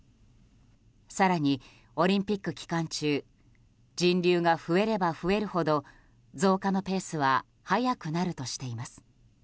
更にオリンピック期間中人流が増えれば増えるほど増加のペースは速くなるとしています。